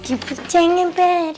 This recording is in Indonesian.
ibu jangan pergi